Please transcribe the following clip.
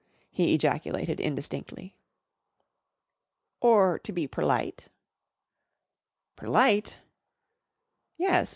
he ejaculated indistinctly. "Or to be perlite." "Perlite?" "Yes.